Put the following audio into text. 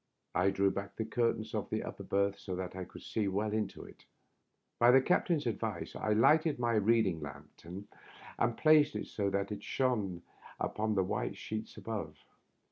I drew back the curtains of the upper berth 60 that I could see well into it. By the captain's advice I lighted my reading lantern and placed it so that it shone upon the white sheets above.